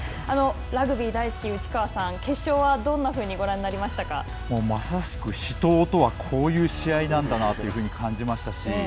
ラグビー大好き内川さん、決勝は、どんなふうにまさしく死闘とはこういう試合なんだなと感じましたし